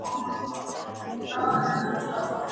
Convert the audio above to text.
نکاح په اسلامي شريعت کي له مهمو امرونو څخه ده.